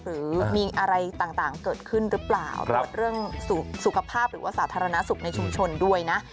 หรือมีอะไรต่างเกิดขึ้นหรือเปล่าตรวจเรื่องสุขภาพหรือว่าสาธารณสุขในชุมชนด้วยนะ